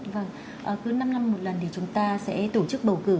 vâng cứ năm năm một lần thì chúng ta sẽ tổ chức bầu cử